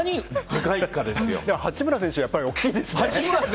八村選手、大きいですね。